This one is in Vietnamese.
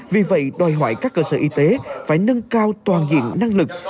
vì vậy đòi hỏi các cơ sở y tế phải nâng cao toàn diện năng lực